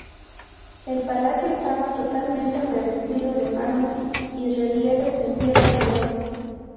El palacio estaba totalmente revestido de mármol y relieves en piedra y bronce.